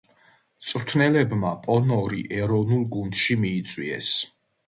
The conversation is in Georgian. მწვრთნელებმა პონორი ეროვნულ გუნდში მიიწვიეს.